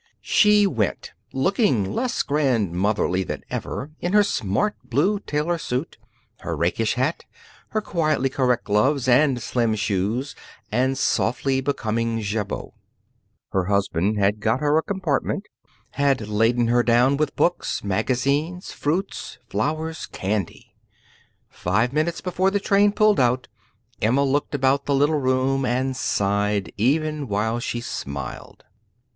She went looking less grandmotherly than ever in her smart, blue tailor suit, her rakish hat, her quietly correct gloves, and slim shoes and softly becoming jabot. Her husband had got her a compartment, had laden her down with books, magazines, fruit, flowers, candy. Five minutes before the train pulled out, Emma looked about the little room and sighed, even while she smiled.